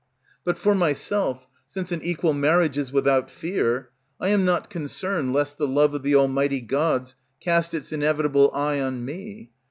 But for myself, since an equal marriage is without fear, I am not concerned lest the love of the almighty Gods cast its inevitable eye on me.